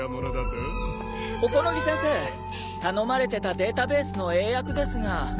すごい小此木先生頼まれてたデータベースの英訳ですが